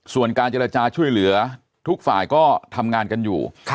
ส่วนการเจรจาช่วยเหลือทุกฝ่ายก็ทำงานกันอยู่